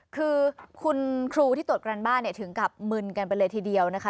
คือคุณครูที่ตรวจการบ้านเนี่ยถึงกับมึนกันไปเลยทีเดียวนะคะ